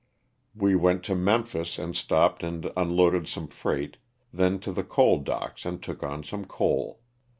We went to Memphis and stopped and unloaded some freight, then to the coal docks and took on some coal.